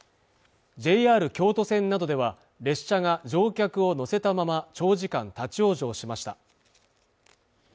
ＪＲ京都線などでは列車が乗客を乗せたまま長時間立往生しました